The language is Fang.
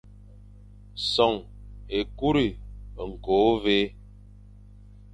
Son ékuri, ñko, ôvè,